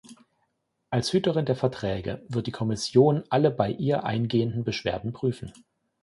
Als Hüterin der Verträge wird die Kommission alle bei ihr eingehenden Beschwerden prüfen.